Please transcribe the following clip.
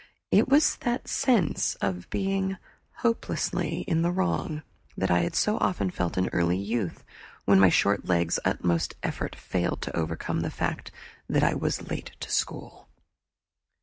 It was that sense of being hopelessly in the wrong that I had so often felt in early youth when my short legs' utmost effort failed to overcome the fact that I was late to school.